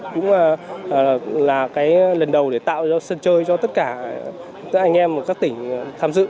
cũng là cái lần đầu để tạo ra sân chơi cho tất cả các anh em ở các tỉnh tham dự